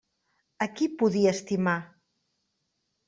A qui podia estimar?